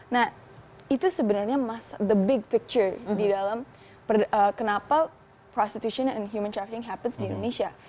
nah itu sebenarnya mas the big picture di dalam kenapa prostitution and human traffing happines di indonesia